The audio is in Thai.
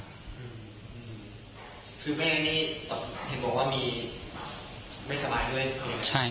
คือแม่นี่เห็นบอกว่ามีไม่สบายด้วย